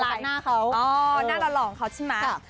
โฟกัสหน้าเขาอ๋อหน้าหล่องเขาใช่ไหมค่ะ